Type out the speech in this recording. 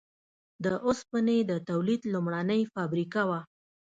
د اوسپنې د تولید لومړنۍ فابریکه وه.